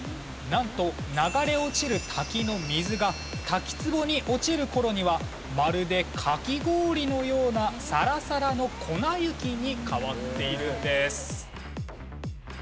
なんと流れ落ちる滝の水が滝つぼに落ちる頃にはまるでかき氷のようなサラサラの粉雪に変わっているんです。